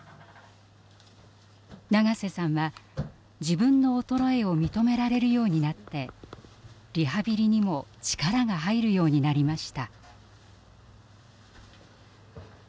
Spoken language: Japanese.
長瀬さんは自分の衰えを認められるようになってリハビリにも力が入るようになりました。